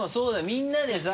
みんなでさ。